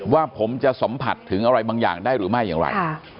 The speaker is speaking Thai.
ว่าผมจะสัมผัสถึงอะไรบางอย่างได้หรือไม่อย่างไร